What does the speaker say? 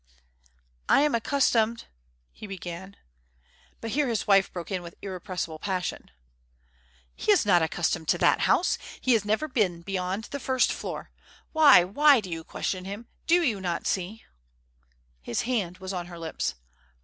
"I am accustomed " he began. But here his wife broke in with irrepressible passion: "He is not accustomed to that house. He has never been beyond the first floor. Why, why do you question him? Do you not see " His hand was on her lips.